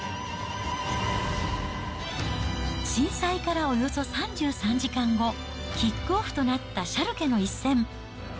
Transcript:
震災からおよそ３３時間後、キックオフとなったシャルケの一戦。